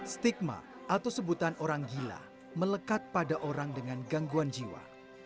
stigma atau sebutan orang gila melekat pada orang dengan gangguan jiwa